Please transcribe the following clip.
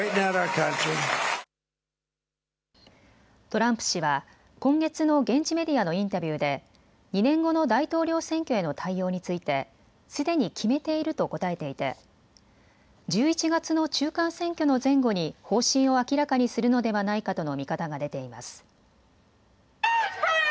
トランプ氏は今月の現地メディアのインタビューで２年後の大統領選挙への対応についてすでに決めていると答えていて１１月の中間選挙の前後に方針を明らかにするのではないかとの見方が出ています。